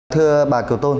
thưa bà kiều tôn